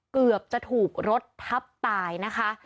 เกือบจะถูกรถทับตายนะคะ